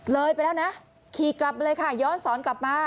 เลยไปแล้วนะขี่กลับมาเลยค่ะย้อนสอนกลับมา